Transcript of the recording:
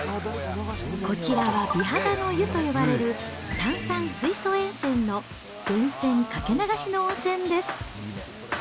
こちらは美肌の湯と呼ばれる炭酸水素塩泉の源泉掛け流しの温泉です。